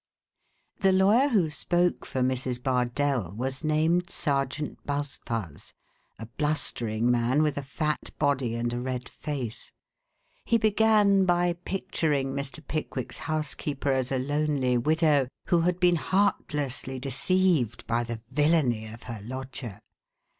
The lawyer who spoke for Mrs. Bardell was named Sergeant Buzfuz, a blustering man with a fat body and a red face. He began by picturing Mr. Pickwick's housekeeper as a lonely widow who had been heartlessly deceived by the villainy of her lodger.